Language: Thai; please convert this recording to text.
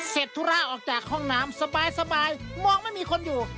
ธุระออกจากห้องน้ำสบายมองไม่มีคนอยู่